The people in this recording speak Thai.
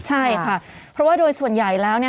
ใช่ค่ะเพราะว่าโดยส่วนใหญ่แล้ว